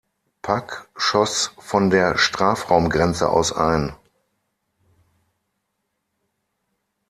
Pak schoss von der Strafraumgrenze aus ein.